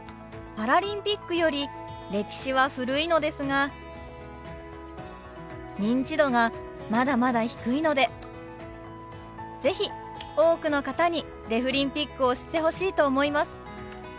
パラリンピックより歴史は古いのですが認知度がまだまだ低いので是非多くの方にデフリンピックを知ってほしいと思います。